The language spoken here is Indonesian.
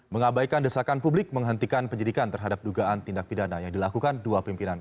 mengabaikan desakan publik menghentikan penyidikan terhadap dugaan tindak pidana yang dilakukan dua pimpinan